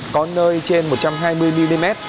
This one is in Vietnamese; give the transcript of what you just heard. có nơi trên một trăm hai mươi mm